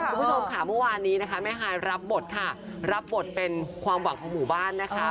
คุณผู้ชมค่ะเมื่อวานนี้นะคะแม่ฮายรับบทค่ะรับบทเป็นความหวังของหมู่บ้านนะคะ